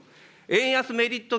円安メリット